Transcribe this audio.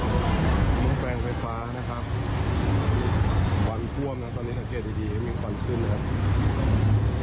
แปลงไฟฟ้านะครับควันท่วมนะตอนนี้สังเกตดีดีมีควันขึ้นนะครับ